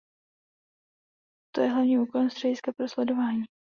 To je hlavním úkolem střediska pro sledování.